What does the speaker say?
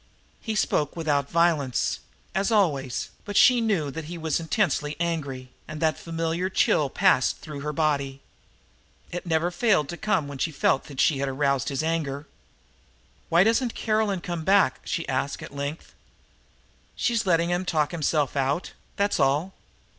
He spoke without violence, as always, but she knew that he was intensely angry, and that familiar chill passed through her body. It never failed to come when she felt that she had aroused his anger. "Why doesn't Caroline come back?" she asked at length. "She's letting him talk himself out, that's all.